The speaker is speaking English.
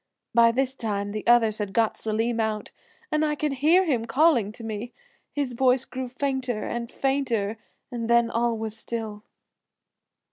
By this time the others had got Selim out, and I could hear him calling to me. His voice grew fainter and fainter and then all was still."